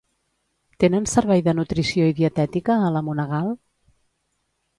Tenen servei de nutrició i dietètica a la Monegal?